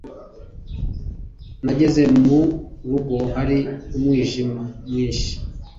nageze mu rugo hari umwijima mwinshi